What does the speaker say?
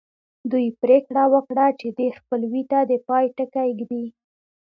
دوی پرېکړه وکړه چې دې خپلوۍ ته د پای ټکی ږدي